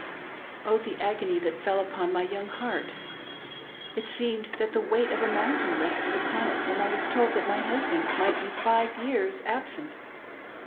Oh, the agony that fell upon my young heart ; it seemed that the weight of a mountain rested upon it when I was told that my husband might be five years absent.